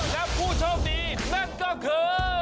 และผู้โชคดีนั่นก็คือ